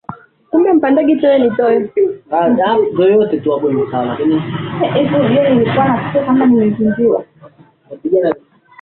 kule Yerusalemu akaanguka chini Maaskari wakamkamata mtu